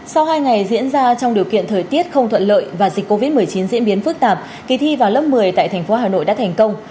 sau hai ngày diễn ra trong điều kiện thời tiết không thuận lợi và dịch covid một mươi chín diễn biến phức tạp kỳ thi vào lớp một mươi tại thành phố hà nội đã thành công